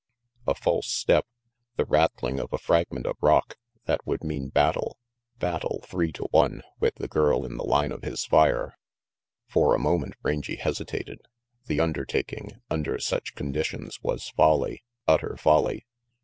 A false step, the rattling of a fragment of rock that would mean battle battle, three to one, with the girl in the line of his fire. For a moment Rangy hesitated. The undertaking, under such conditions, was folly, utter folly.